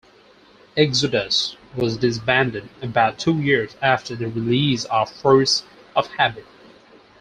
Exodus was disbanded about two years after the release of "Force of Habit".